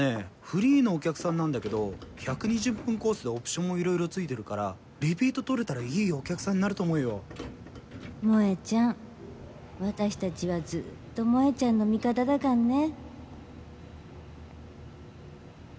フリーのお客さんなんだけど１２０分コースでオプションもいろいろ付いてるからリピート取れたらいいお客さんになると思うよ「萌ちゃん私たちはずっと萌ちゃんの味方だからね」。